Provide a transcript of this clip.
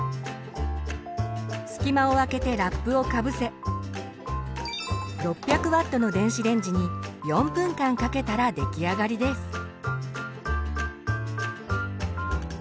隙間をあけてラップをかぶせ６００Ｗの電子レンジに４分間かけたら出来上がりです。